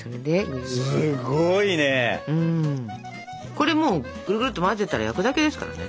これもうぐるぐるっと混ぜたら焼くだけですからね。